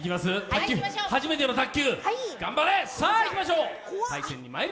初めての卓球、頑張れ！